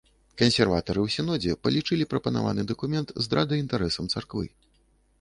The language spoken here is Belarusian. Кансерватары ў сінодзе палічылі прапанаваны дакумент здрадай інтарэсам царквы.